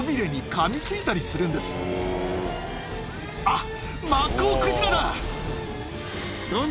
あっ！